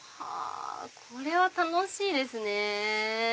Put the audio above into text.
これは楽しいですね！